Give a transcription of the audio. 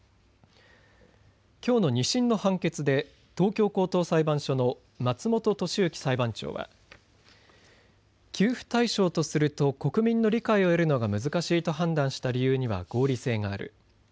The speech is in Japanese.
きょうの２審の判決で東京高等裁判所の松本利幸裁判長は給付対象とすると国民の理解を得るのが難しいと判断した理由には合理性がある。